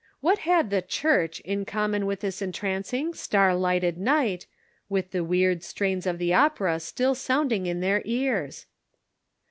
What had the Church in common with this en trancing star lighted night, with the wierd strains of the opera still sounding in their ears